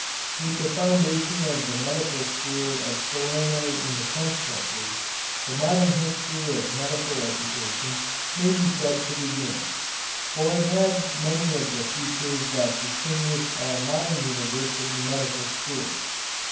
With the foundation of the medical school of Salerno in the tenth century, the modern history of medical education may be said to begin, for it had many of the features that distinguish our modern university medical schools.